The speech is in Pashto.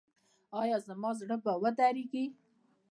ایا زما زړه به ودریږي؟